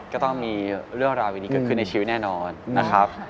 ก็ต้องมีเรื่องราวอย่างนี้เกิดขึ้นในชีวิตแน่นอนนะครับ